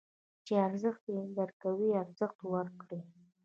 چې ارزښت درکوي، ارزښت ورکړئ.